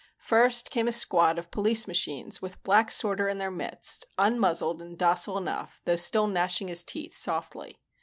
First came a squad of police machines with Black Sorter in their midst, unmuzzled and docile enough, though still gnashing his teeth softly.